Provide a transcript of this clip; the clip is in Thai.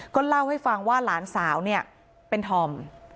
ก็เล่าให้ฟังว่าหลานสาวเนี่ยเป็นธอม